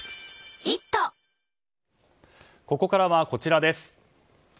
ここからはこちらです。